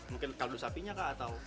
mungkin kaldu sapinya kah atau